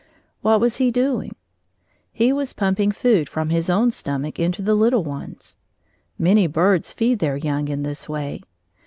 What was he doing? He was pumping food from his own stomach into the little one's. Many birds feed their young in this way.